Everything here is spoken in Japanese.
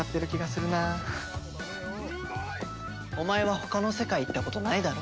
お前は他の世界行ったことないだろ。